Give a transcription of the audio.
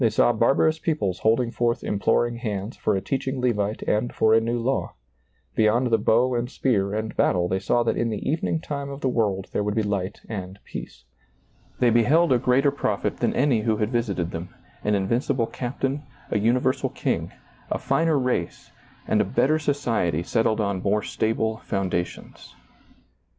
saw barbarous peoples hold ing forth imploring hands for a teaching Levite and for a new law ; beyond the bow and spear and battle they saw that in the evening time of the world there would be light and peace. They beheld a greater prophet than any who had visited them, an invincible captain, a universal ^lailizccbvGoOgle THE COMING TEMPLE 173 king, a finer race, and a better society settled on more stable foundations.